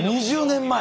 ２０年前！